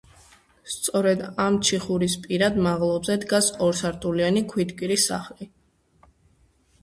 სწორედ ამ ჩიხურის პირად, მაღლობზე, დგას ორსართულიანი ქვითკირის სახლი.